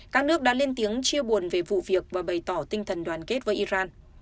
các nước đã lên tiếng chia buồn về vụ việc và bày tỏ tinh thần đoàn kết với iran